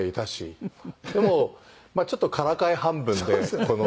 でもまあちょっとからかい半分でこの。